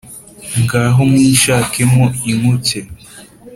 Ngaho mwishakemo inkuke!